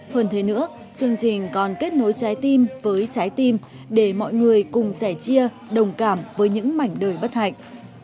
hơn thế nữa chương trình còn kết nối trái tim với trái tim để mọi người cùng sẻ chia đồng cảm với những mảnh đời bất hạnh